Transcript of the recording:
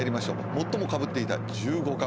最もかぶっていた１５かぶり